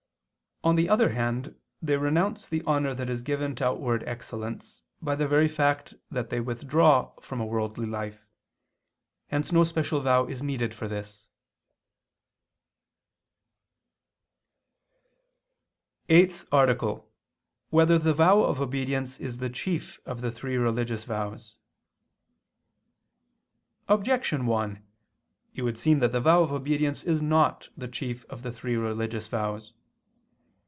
On the other hand, they renounce the honor that is given to outward excellence, by the very fact that they withdraw from a worldly life: hence no special vow is needed for this. _______________________ EIGHTH ARTICLE [II II, Q. 186, Art. 8] Whether the Vow of Obedience Is the Chief of the Three Religious Vows? Objection 1: It would seem that the vow of obedience is not the chief of the three religious vows.